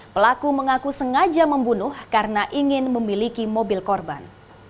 pelaku mengaku sengaja membunuh karena ingin memiliki mobil korban